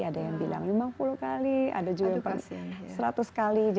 ada yang bilang lima puluh kali ada juga seratus kali